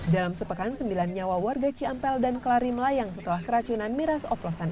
dalam sepekan sembilan nyawa warga ciampel dan kelari melayang setelah keracunan miras oplosan